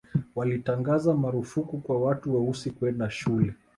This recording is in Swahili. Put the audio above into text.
walitangaza marufuku kwa watu weusi kwenda shule